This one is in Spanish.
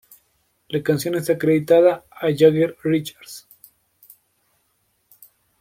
La canción está acreditada a Jagger y Richards.